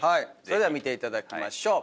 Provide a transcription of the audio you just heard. それでは見ていただきましょう。